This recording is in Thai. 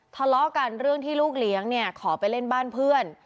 ทะเลาะกันเรื่องที่ลูกเลี้ยงเนี่ยขอไปเล่นบ้านเพื่อน